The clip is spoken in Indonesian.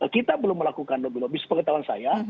kita belum melakukan lobby lobby sepengetahuan saya